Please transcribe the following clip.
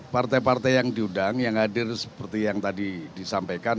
partai partai yang diundang yang hadir seperti yang tadi disampaikan